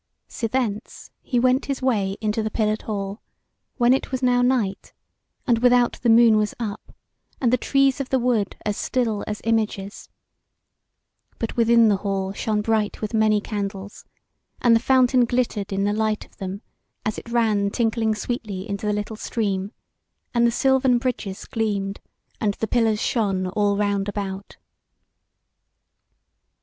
Sithence he went his way into the pillared hall, when it was now night, and without the moon was up, and the trees of the wood as still as images. But within the hall shone bright with many candles, and the fountain glittered in the light of them, as it ran tinkling sweetly into the little stream; and the silvern bridges gleamed, and the pillars shone all round about.